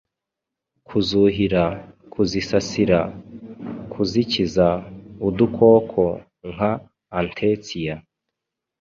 kuzuhira, kuzisasira, kuzikiza udukoko nka antestiya